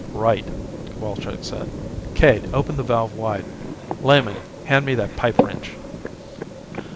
"Right," Cowalczk said. "Cade, open the valve wide. Lehman, hand me that pipe wrench!"